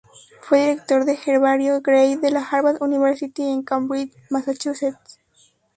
Fue Director del Herbario Gray de la Harvard University en Cambridge, Massachusetts.